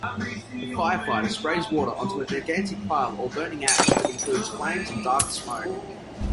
A firefighter sprays water onto a gigantic pile or burning ash that includes flames and dark smoke.